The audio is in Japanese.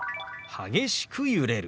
「激しく揺れる」。